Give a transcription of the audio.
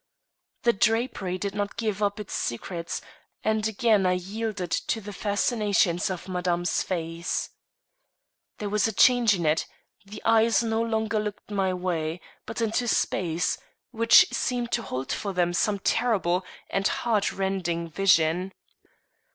The drapery did not give up its secrets, and again I yielded to the fascinations of Madame's face. There was a change in it; the eyes no longer looked my way, but into space, which seemed to hold for them some terrible and heart rending vision.